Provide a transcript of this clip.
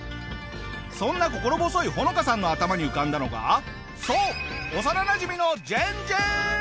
そんな心細いホノカさんの頭に浮かんだのがそう幼なじみのジェンジェン！